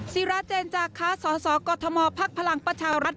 สิราเจนจากค้าสสกฎมพพลังประชาวรัฐ